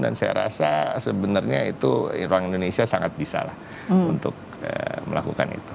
dan saya rasa sebenarnya itu orang indonesia sangat bisa lah untuk melakukan itu